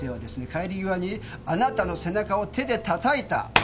帰り際にあなたの背中を手でたたいた。